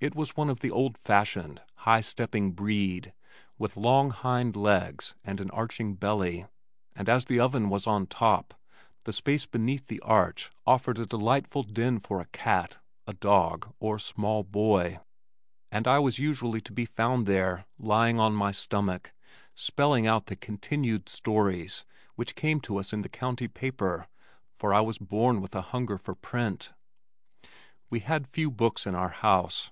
It was one of the old fashioned high stepping breed, with long hind legs and an arching belly, and as the oven was on top, the space beneath the arch offered a delightful den for a cat, a dog or small boy, and I was usually to be found there, lying on my stomach, spelling out the "continued" stories which came to us in the county paper, for I was born with a hunger for print. We had few books in our house.